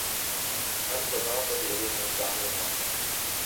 ہر صدا پر لگے ہیں کان یہاں